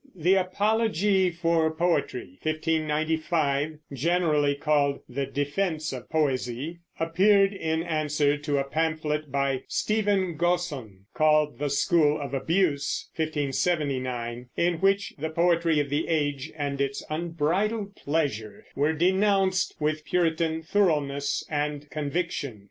The Apologie for Poetrie (1595), generally called the Defense of Poesie, appeared in answer to a pamphlet by Stephen Gosson called The School of Abuse (1579), in which the poetry of the age and its unbridled pleasure were denounced with Puritan thoroughness and conviction.